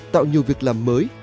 tạo nhiều việc làm mới